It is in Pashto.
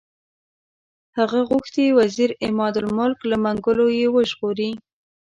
هغه غوښتي وزیر عمادالملک له منګولو یې وژغوري.